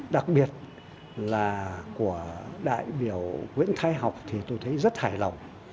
đặc biệt là của đại biểu nguyễn thái học thì tôi thấy rất hài lòng